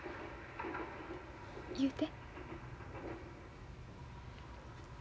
言うて。